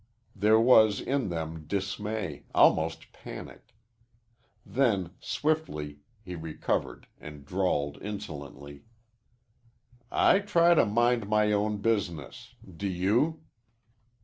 There was in them dismay, almost panic. Then, swiftly, he recovered and drawled insolently, "I try to mind my own business. Do you?"